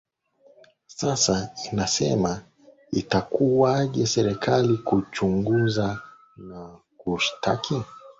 sasa inaseme itakuwaje serikali kuchunguza na kushtaki